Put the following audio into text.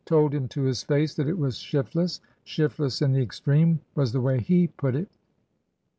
— told him to his face that it was shiftless shiftless in the extreme, was the way he put it.